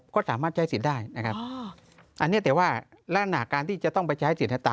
ก็สามารถใช้สิทธิ์ได้นะครับอันนี้แต่ว่าลักษณะการที่จะต้องไปใช้เศรษฐะ